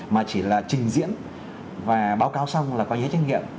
mà chỉ là trình diễn và báo cáo xong là có giấy trách nhiệm